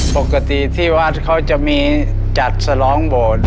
ปกติที่วัดเขาจะมีจัดสลองโบสถ์